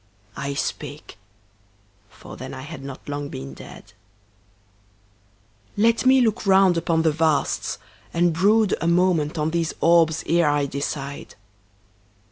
I spake for then I had not long been dead "Let me look round upon the vasts, and brood A moment on these orbs ere I decide